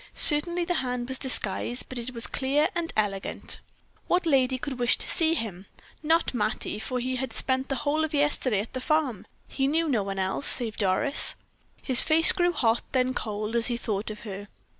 Certainly, the hand was disguised, but it was clear and elegant. What lady could wish to see him? Not Mattie for he had spent the whole of yesterday at the farm; he knew no one else, save Doris. His face grew hot, then cold, as he thought of her.